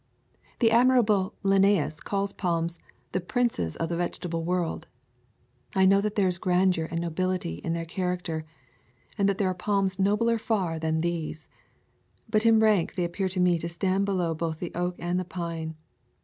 The admirable Linneus calls palms "the princes of the vegetable world." I know that there is grandeur and nobility in their char acter, and that there are palms nobler far than these. But in rank they appear to me to stand below both the oak and the pine.